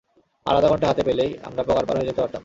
আর আধা ঘন্টা হাতে পেলেই আমরা পগারপার হয়ে যেতে পারতাম।